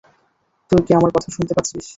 তুই কি আমার কথা শুনতে পাচ্ছিস?